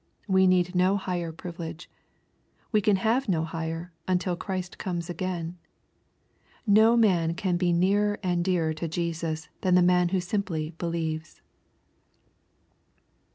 We need no higher privilege. We can have no higher, until Christ comes again. No man can be nearer and dearer to Jesus than the man who simply believes.